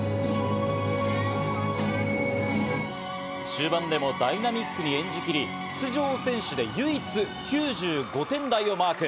終盤でもダイナミックに演じきり、出場選手で唯一９５点台をマーク。